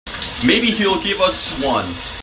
Maybe he'll give us one.